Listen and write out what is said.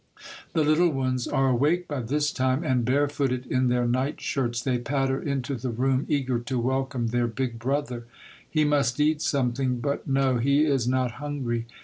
The little ones are awake by this time, and, bare footed, in their night shirts, they patter into the room, eager to welcome their big brother ! He must eat something, but, no, he is not hungry.